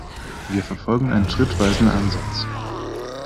Wir verfolgen einen schrittweisen Ansatz.